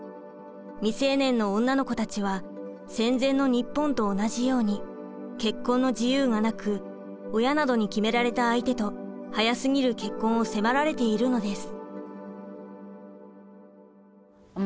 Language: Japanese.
未成年の女の子たちは戦前の日本と同じように結婚の自由がなく親などに決められた相手と早すぎる結婚を迫られているのです。